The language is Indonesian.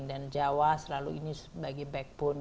dan jawa selalu ini sebagai backbone